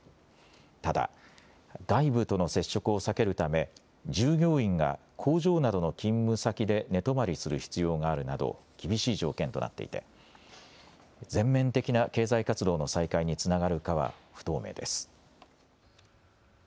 ただ外部との接触を避けるため従業員が工場などの勤務先で寝泊まりする必要があるなど厳しい条件となっていて全面的な経済活動の再開につながるかは不透明です。